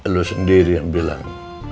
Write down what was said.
lo sendiri yang bilang